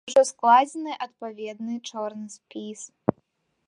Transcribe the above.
Ужо складзены адпаведны чорны спіс.